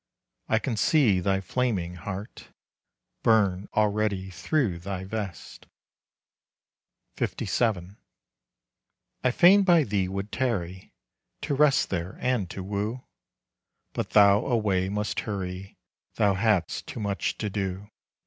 I can see thy flaming heart Burn already through thy vest. LVII. I fain by thee would tarry, To rest there and to woo; But thou away must hurry, Thou hadst too much to do.